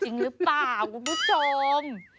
จริงหรือเปล่าคุณผู้ชม